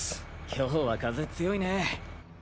今日は風強いね。